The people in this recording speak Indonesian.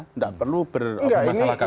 tidak perlu bermasalahkan masyarakat